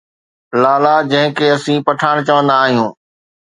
لالا جنهن کي اسين پٺاڻ چوندا آهيون.